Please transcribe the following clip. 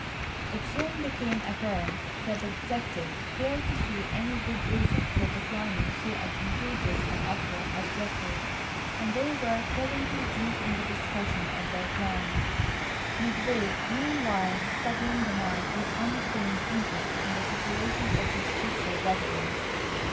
It soon became apparent that the detective failed to see any good reason for declining so advantageous an offer as Geoffrey's, and they were presently deep in the discussion of their plans, McVay meanwhile studying the map with unfeigned interest in the situation of his future residence.